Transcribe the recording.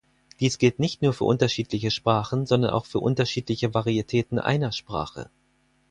Dies gilt nicht nur für unterschiedliche Sprachen, sondern auch für unterschiedliche Varietäten einer Sprache.